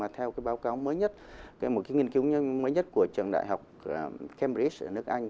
theo báo cáo mới nhất một nghiên cứu mới nhất của trường đại học cambrights ở nước anh